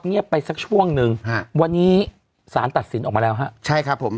ไปสักช่วงหนึ่งฮะวันนี้สารตัดสินออกมาแล้วฮะใช่ครับผม